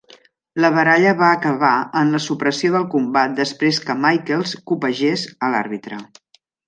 La baralla va acabar en la supressió del combat després que Michaels copegés a l'àrbitre.